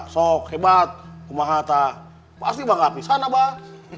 sok hebat kemahata pasti bangga ke sana mbak